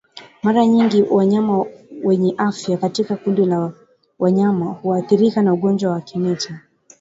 Mara nyingi wanyama wenye afya katika kundi la wanyama huathirika na ugonjwa wa kimeta